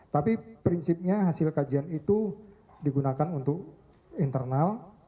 tapi prinsipnya hasil kajian itu digunakan untuk internal